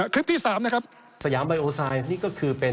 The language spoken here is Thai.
คลิปที่๓นะครับสยามไบโอไซดนี่ก็คือเป็น